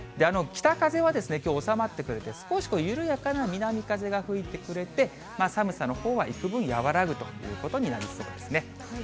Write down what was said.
北風はきょう収まってくれて、少し緩やかな南風が吹いてくれて、寒さのほうはいくぶん和らぐということになりそうですね。